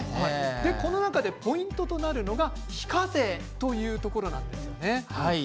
この中でポイントになるのが非課税ということなんですね。